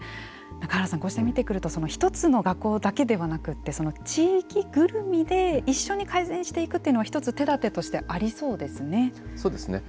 中原さん、こうして見てくると１つの学校だけではなくて地域ぐるみで一緒に改善していくというのは一つ手だてとしてそうですね。